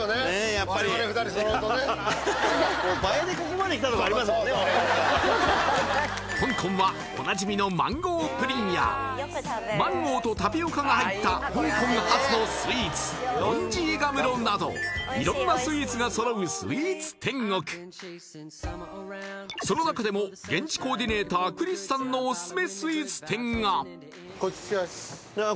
やっぱりそうそうそうそう香港はおなじみのマンゴーとタピオカが入った香港発のスイーツ色んなスイーツが揃うスイーツ天国その中でも現地コーディネータークリスさんのオススメスイーツ店がこちらですああ